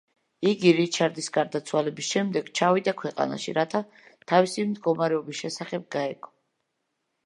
იგი რიჩარდის გარდაცვალების შემდეგ ჩავიდა ქვეყანაში, რათა თავისი მდგომარეობის შესახებ გაეგო.